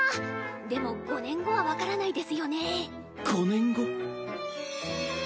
でも５年後は分からないですよね。